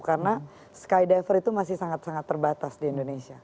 karena skydiver itu masih sangat sangat terbatas di indonesia